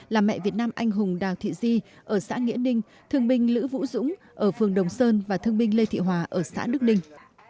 là mẹ việt nam anh hùng đào thị di ở xã nghĩa ninh thương binh lữ vũ dũng ở phường đồng sơn và thương binh lê thị hòa ở xã đức ninh